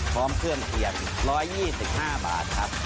พร้อมเครื่องเคียง๑๒๕บาทครับ